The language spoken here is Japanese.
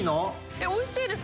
えおいしいです。